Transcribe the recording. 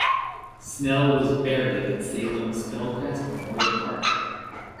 Snell was buried in Salem's Belcrest Memorial Park.